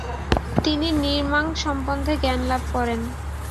তিনি র্ন্যিং-মা সম্বন্ধে জ্ঞানলাভ করেন।